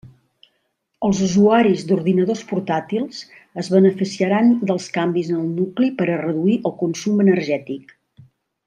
Els usuaris d'ordinadors portàtils es beneficiaran dels canvis en el nucli per a reduir el consum energètic.